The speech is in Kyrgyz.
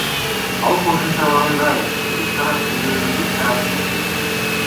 Ал кошумчалагандай, кыргыз тарап тергөөгө таасир этпейт.